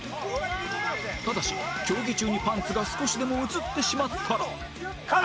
ただし競技中にパンツが少しでも映ってしまったら